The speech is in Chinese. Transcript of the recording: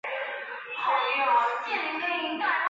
匙唇兰为兰科匙唇兰属下的一个种。